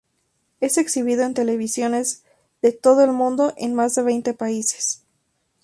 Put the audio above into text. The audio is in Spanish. Es exhibido en televisiones de todo el mundo en más de veinte países.